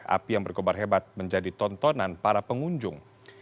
api yang berkobar hebat menjadi tontonan para pengunjung